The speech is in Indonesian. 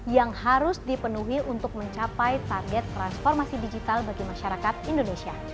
yang harus dipenuhi untuk mencapai target transformasi digital bagi masyarakat indonesia